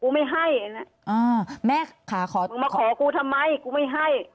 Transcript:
กูไม่ให้อืมแม่ขาขอมาขอกูทำไมกูไม่ให้เออ